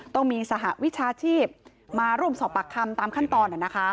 ต้องมีสหวิชาชีพมาร่วมสอบปากคำตามขั้นตอน